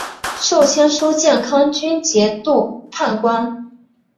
授签书建康军节度判官。